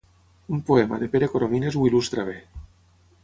Un poema de Pere Coromines ho il·lustra bé.